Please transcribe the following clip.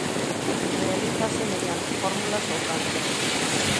Realízase mediante fórmulas ou cancións.